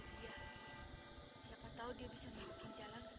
tidak bisa ditemukan